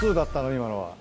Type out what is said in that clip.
今のは。